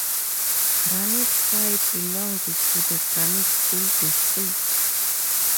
Granite High belonged to the Granite School District.